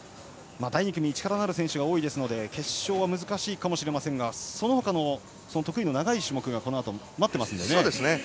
第２組は力のある選手が多いので決勝は難しいかもしれませんがそのほか、得意の長い種目がこのあと待っていますので。